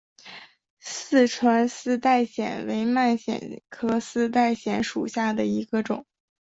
四川丝带藓为蔓藓科丝带藓属下的一个种。